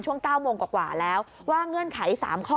ช่วง๙โมงกว่าแล้วว่าเงื่อนไข๓ข้อ